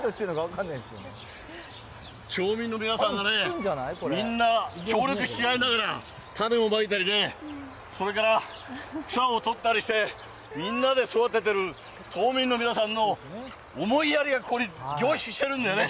これね、町民の皆さんがね、みんな、協力し合いながら種をまいたりね、それから草を取ったりして、みんなで育ててる町民の皆さんの思いやりがここに凝縮してるんだよね。